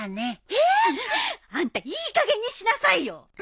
え！？あんたいいかげんにしなさいよ！